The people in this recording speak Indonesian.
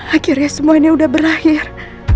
akhirnya semuanya sudah berakhir